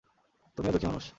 তুমিও দুঃখী মানুষ।